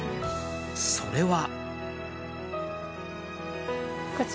それは。